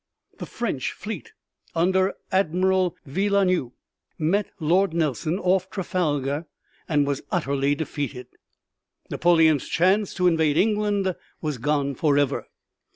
The French fleet under Admiral Villeneuve met Lord Nelson off Trafalgar and was utterly defeated. Napoleon's chance to invade England was gone forever.